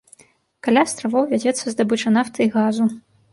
Каля астравоў вядзецца здабыча нафты і газу.